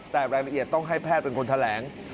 แต่รายละเอียดต้องให้แพทย์เป็นคนแถลง